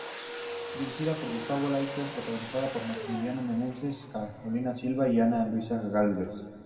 Dirigida por Gustavo Letelier, protagonizada por Maximiliano Meneses, Carolina Silva y Ana Luisa Gálvez.